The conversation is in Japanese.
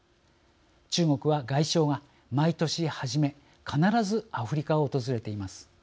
中国は外相が毎年初めに必ずアフリカを訪れています。